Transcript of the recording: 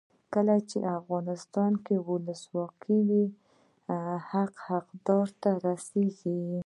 کله چې افغانستان کې ولسواکي وي حق حقدار ته رسیږي.